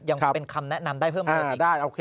ยังเป็นคำแนะนำได้เพิ่มเติมอีก